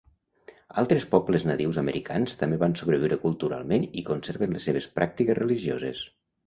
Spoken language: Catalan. Altres pobles nadius americans també van sobreviure culturalment i conserven les seves pràctiques religioses.